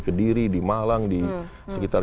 kediri di malang di sekitar